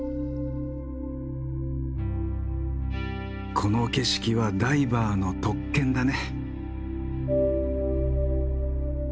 この景色はダイバーの特権だね。